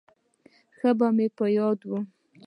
ښه مې په یاد و.